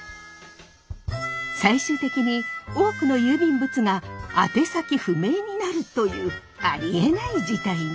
最終的に多くの郵便物が宛先不明になるというありえない事態に。